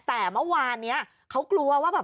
แต่เมื่อวานนี้เขากลัวว่าแบบ